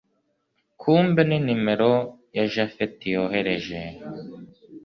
kumbe ni nimero ya japhet yohereje